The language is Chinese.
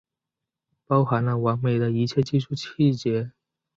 包含了完美的一切技术细节